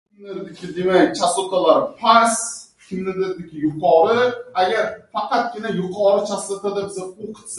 Surxondaryodagi to‘yxona oldida mushtlashuv sodir bo‘ldi